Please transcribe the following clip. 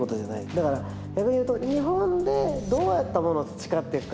だから逆に言うと日本でどうやったものを培っていくか。